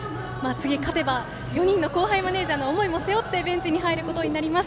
次、勝てば４人の後輩マネージャーの思いも背負ってベンチに入ることになります。